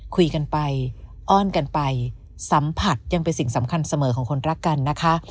คุยกันไปอ้อนกันไปสัมผัสยังเป็นสิ่งสำคัญเสมอของคนรักกันนะคะ